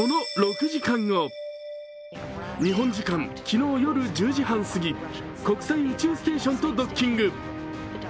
日本時間昨日夜１０時半過ぎ、国際宇宙ステーションとドッキング。